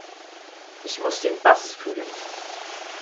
Ich muss den Bass fühlen.